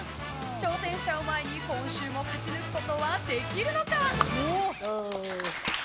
挑戦者を前に今週も勝ち抜くことはできるのか。